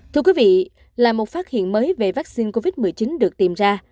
thưa quý vị là một phát hiện mới về vaccine covid một mươi chín được tìm ra